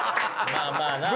まあまあな。